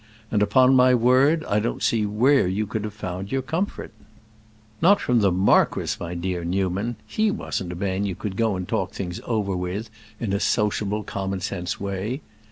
And upon my word I don't see where you could have found your comfort. Not from the marquis, my dear Newman; he wasn't a man you could go and talk things over with in a sociable, common sense way.